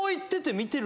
見てる！